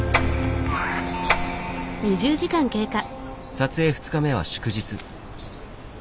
撮影２日目は祝日。